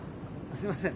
すみません。